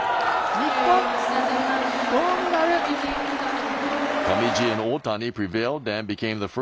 日本、銅メダル。